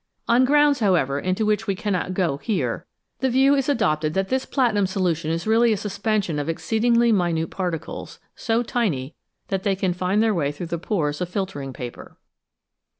On grounds, however, into which we cannot go here, the 332 SMALL CAUSES; GREAT EFFECTS view is adopted that this platinum solution is really a suspension of exceedingly minute particles, so tiny that they can find their way through the pores of filtering paper.